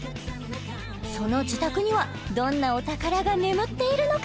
その自宅にはどんなお宝が眠っているのか？